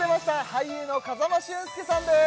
俳優の風間俊介さんです